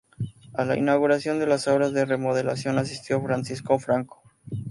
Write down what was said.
A la inauguración de las obras de remodelación asistió Francisco Franco.